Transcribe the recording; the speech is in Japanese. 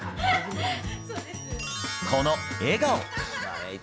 この笑顔。